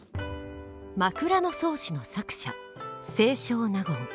「枕草子」の作者清少納言。